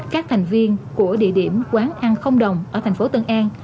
các thành viên của địa điểm quán ăn không đồng ở thành phố tân an